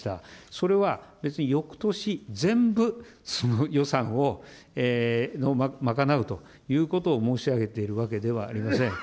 それは別によくとし全部その予算で賄うということを申し上げているわけではありません。